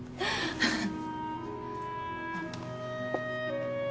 ハハハッ。